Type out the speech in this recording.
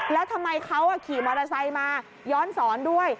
แล้วทำไมเขาขี่มอเตอร์ไซค์มาย้อนสอนด้วย